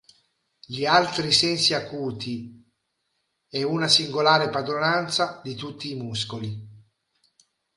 Gli altri sensi acuti e una singolare padronanza di tutti i muscoli.